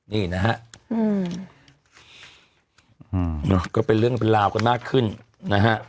นี่นะฮะอืมเนอะก็เป็นเรื่องเป็นราวกันมากขึ้นนะฮะ